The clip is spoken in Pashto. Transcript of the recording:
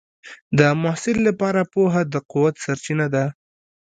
د محصل لپاره پوهه د قوت سرچینه ده.